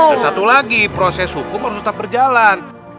dan satu lagi proses hukum harus tetap berjalan